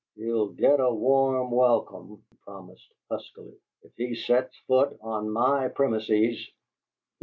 "He'll get a warm welcome," he promised, huskily, "if he sets foot on my premises!"